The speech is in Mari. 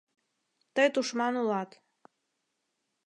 Тый тушман улат.